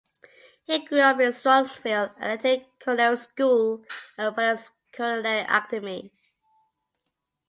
He grew up in Strongsville and attended culinary school at the Polaris Culinary Academy.